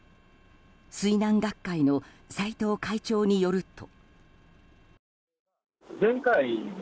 水難学会の斎藤会長によると。